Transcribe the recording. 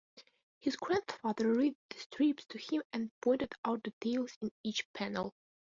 His grandfather read the strips to him and pointed out details in each panel.